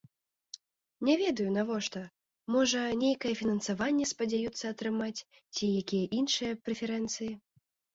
Не ведаю, навошта, можа, нейкае фінансаванне спадзяюцца атрымаць ці якія іншыя прэферэнцыі.